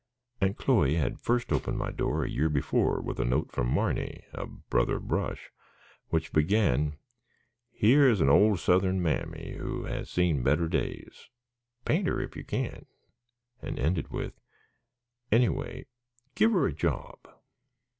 Aunt Chloe had first opened my door a year before with a note from Marny, a brother brush, which began with "Here is an old Southern mammy who has seen better days; paint her if you can," and ended with, "Any way, give her a job."